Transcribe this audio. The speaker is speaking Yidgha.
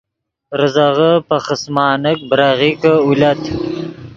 ریزغے پے خسمانیک بریغیکے اولت